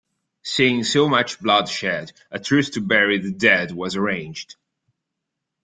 Seeing so much blood shed, a truce to bury the dead was arranged.